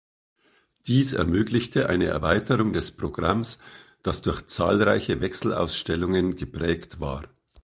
Dies ermöglichte eine Erweiterung des Programms, das durch zahlreiche Wechselausstellungen geprägt war.